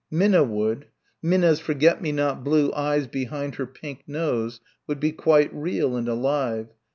Minna would. Minna's forget me not blue eyes behind her pink nose would be quite real and alive....